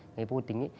người vô tính